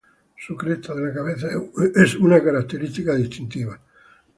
Su cresta de la cabeza es una característica distintiva.